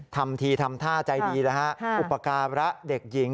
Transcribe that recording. ทำทีทำท่าใจดีนะฮะอุปการะเด็กหญิง